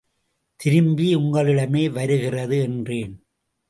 திரும்பி உங்களிடமே வருகிறது என்றேன்.